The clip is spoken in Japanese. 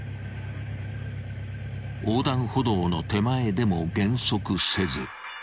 ［横断歩道の手前でも減速せず］